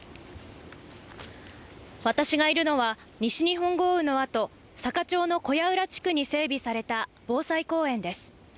私がいるのは、西日本豪雨の後、坂町の小屋浦地区に整備された防災公園です。